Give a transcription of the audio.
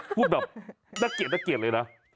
พูดแบบนักเกลียดเลยนะ